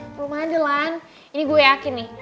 belum ada lan ini gue yakin nih